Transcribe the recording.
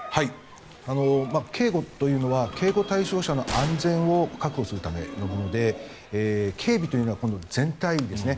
警護というのは警護対象者の安全を確保するためのもので警備というのは今度、全体ですね